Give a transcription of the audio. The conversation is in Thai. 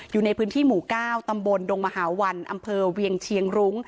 อยู่ในพื้นที่หมู่๙ตำบลดงมหาวันอำเภอเวียงเชียงรุ้ง